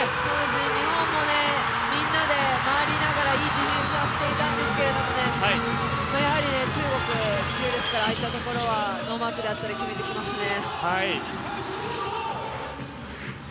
日本もみんなで回りながらいいディフェンスをしていたんですけれどもやはり中国、強いですからああいったところはノーマークであったり決めてきますね。